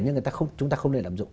nhưng chúng ta không thể làm dụng